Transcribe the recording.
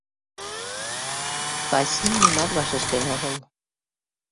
Касим нимат вашештен огыл.